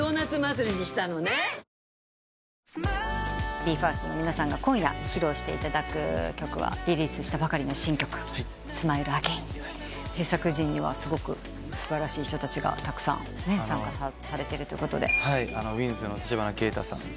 ＢＥ：ＦＩＲＳＴの皆さんが今夜披露していただく曲はリリースしたばかりの新曲『ＳｍｉｌｅＡｇａｉｎ』制作陣にはすごく素晴らしい人たちがたくさん参加されてるということで。ｗ−ｉｎｄｓ．の橘慶太さん。